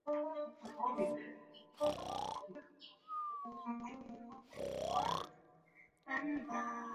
两个地面站厅都通过扶手电梯连接地下站厅。